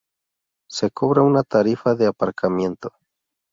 Se cobra una tarifa de aparcamiento.